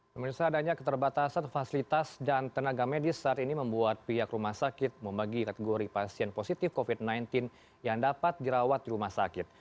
pemirsa adanya keterbatasan fasilitas dan tenaga medis saat ini membuat pihak rumah sakit membagi kategori pasien positif covid sembilan belas yang dapat dirawat di rumah sakit